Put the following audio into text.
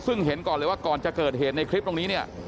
ซึ่งเห็นก่อนเลยว่าก่อนจะเกิดเหตุในคลิปตรงนี้เนี่ย